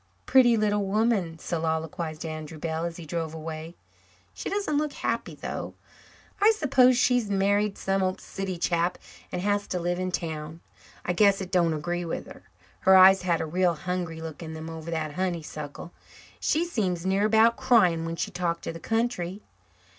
"Pretty little woman," soliloquized Andrew Bell, as he drove away. "She doesn't look happy, though. I suppose she's married some city chap and has to live in town. I guess it don't agree with her. Her eyes had a real hungry look in them over that honeysuckle. She seemed near about crying when she talked of the country."